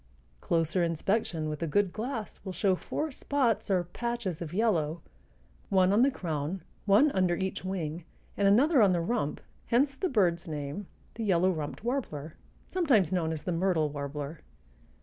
Closer inspection with a good glass will show four spots or patches of yellow, one on the crown, one under each wing, and another on the rump, hence the bird's name, the yellow rumped warbler, sometimes known as the myrtle warbler.